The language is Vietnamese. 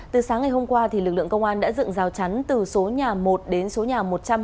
từ sáng ngày hôm qua lực lượng công an đã dựng rào chắn từ số nhà một đến số nhà một trăm hai mươi